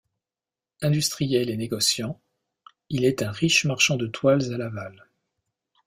Industriel et négociant, il est un riche marchand de toiles à Laval.